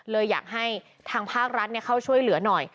เลยอยากให้ทางภาครัฐเข้าช่วยเหลือหน่อย